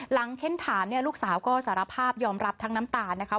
หลังเท้นถามลูกสาวก็สารภาพยอมรับทั้งน้ำตาว